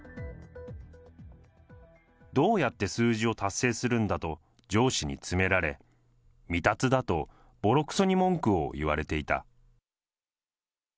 どうやって数字を達成するんだと、上司に詰められ、未達だとぼろくそに文句を言われていた。